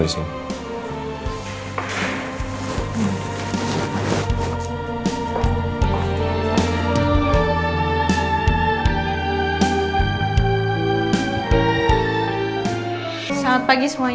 udah siap hujan